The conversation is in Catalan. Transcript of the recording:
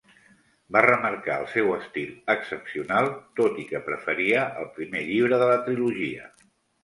Va remarcar el seu estil excepcional tot i que preferia el primer llibre de la trilogia.